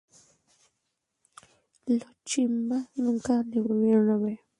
Los Chibchas nunca le volvieron a ver.